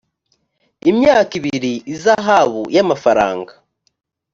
imyaka ibiri ihazabu y amafaranga